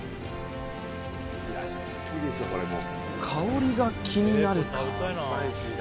香りが気になるか？